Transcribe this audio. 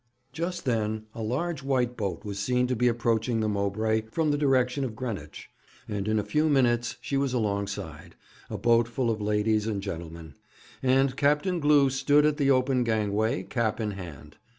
Just then a large white boat was seen to be approaching the Mowbray from the direction of Greenwich, and in a few minutes she was alongside a boat full of ladies and gentlemen; and Captain Glew stood at the open gangway, cap in hand.